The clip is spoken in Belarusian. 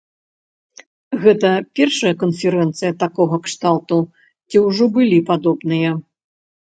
Гэта першая канферэнцыя такога кшталту, ці ўжо былі падобныя?